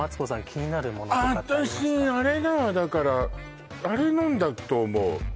気になるものとか私あれだわだからあれ飲んだと思う